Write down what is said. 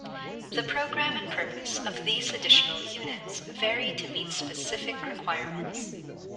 The programme and purpose of these additional units vary to meet specific requirements.